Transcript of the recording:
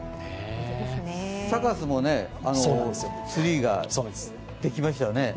サカスもツリーができましたよね。